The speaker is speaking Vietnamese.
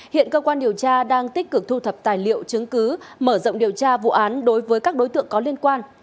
hiện cơ quan điều tra đang tích cực thu thập tài liệu chứng cứ mở rộng điều tra vụ án đối với các đối tượng có liên quan